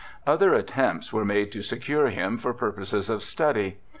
Other attempts were made to secure him for purposes of study.